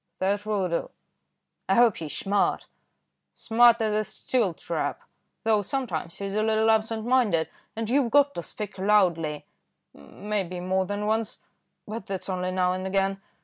"That will do." "I hope he's smart." "Smart as a steel trap, though sometimes he's a little absent minded; and you've got to speak loudly, maybe more than once, but that's only now and again.